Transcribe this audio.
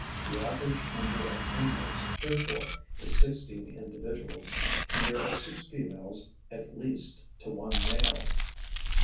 The average number of inmates, therefore, is sixteen individuals; and there are six females at least to one male.